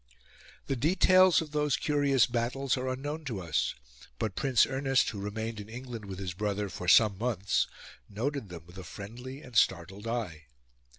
The details of those curious battles are unknown to us; but Prince Ernest, who remained in England with his brother for some months, noted them with a friendly and startled eye.